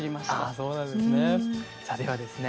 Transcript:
そうなんですね！